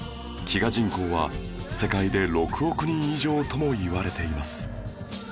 飢餓人口は世界で６億人以上ともいわれています